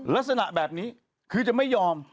ลักษณะแบบนี้คือจะไม่ยอม